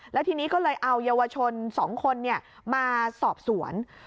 แล้วทีนี้ก็เลยเอาเยาวชน๒คนมาสอบสวน